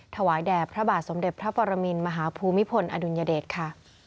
ถวายแด่พระบาทสมเด็จพระปรมินมหาภูมิพลอดุลยเดชค่ะ